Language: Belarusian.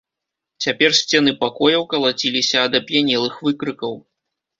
Цяпер сцены пакояў калаціліся ад ап'янелых выкрыкаў.